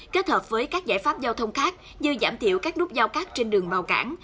kết hợp với các giải pháp giao thông khác như giảm thiệu các núp giao cát trên đường bào cảng